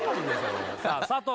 さあ佐藤